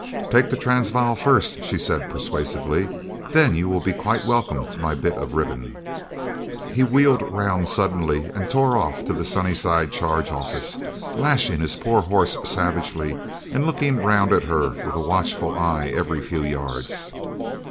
"Take the Transvaal first," she said persuasively, "then you will be quite welcome to my bit of ribbon." He wheeled round suddenly and tore off to the Sunnyside Charge Office, lashing his poor horse savagely and looking round at her with a watchful eye every few yards.